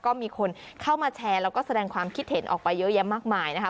ก็มีคนเข้ามาแชร์แล้วก็แสดงความคิดเห็นออกไปเยอะแยะมากมายนะคะ